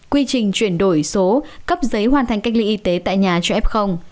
quy trình chuyển đổi số cấp giấy hoàn thành cách ly y tế tại nhà cho f